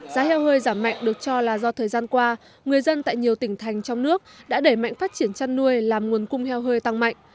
giá heo hơi giảm mạnh được cho là do thời gian qua người dân tại nhiều tỉnh thành trong nước đã đẩy mạnh phát triển chăn nuôi làm nguồn cung heo hơi tăng mạnh